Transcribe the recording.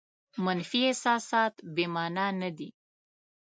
منفي احساسات بې مانا نه دي.